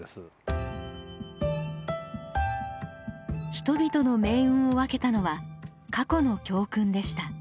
人々の命運を分けたのは過去の教訓でした。